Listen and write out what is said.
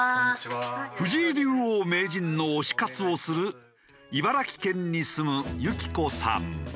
藤井竜王・名人の推し活をする茨城県に住むゆきこさん。